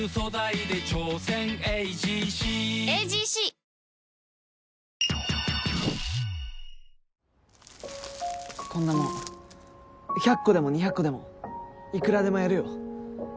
「アサヒスーパードライ」こんなもん１００個でも２００個でもいくらでもやるよ。